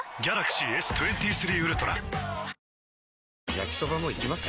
焼きソバもいきます？